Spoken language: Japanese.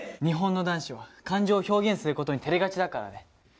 日本の男子は感情を表現する事に照れがちだからね。